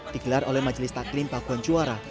digelar oleh majelis taklim pakuan juara